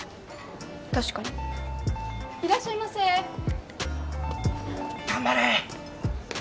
確かにいらっしゃいませ頑張れ！